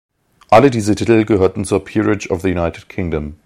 Alle diese Titel gehörten zur Peerage of the United Kingdom.